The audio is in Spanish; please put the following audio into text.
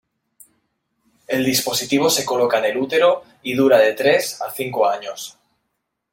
El dispositivo se coloca en el útero y dura de tres a cinco años.